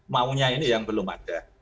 mau nya ini yang belum ada